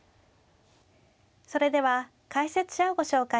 それでは解説者をご紹介します。